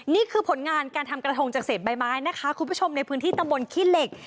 นี่คือผลงานการทำกระทงจากเศษใบไม้นะคะคุณผู้ชมในพื้นที่ตำบลขี้เหล็ก